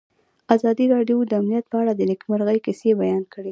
ازادي راډیو د امنیت په اړه د نېکمرغۍ کیسې بیان کړې.